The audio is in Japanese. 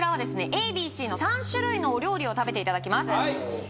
ＡＢＣの３種類のお料理を食べていただきます